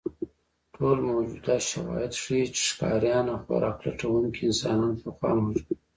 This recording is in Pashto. ټول موجود شواهد ښیي، چې ښکاریان او خوراک لټونکي انسانان پخوا موجود وو.